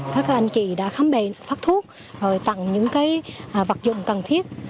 các anh chị đã khám bệnh phát thuốc rồi tặng những vật dụng cần thiết